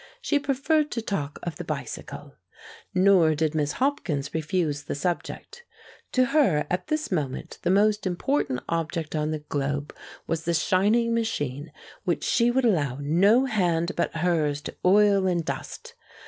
She preferred to talk of the bicycle. Nor did Miss Hopkins refuse the subject. To her at this moment the most important object on the globe was the shining machine which she would allow no hand but hers to oil and dust.